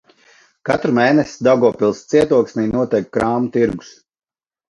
Katru mēnesi Daugavpils cietoksnī notiek krāmu tirgus.